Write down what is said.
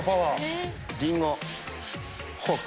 リンゴフォーク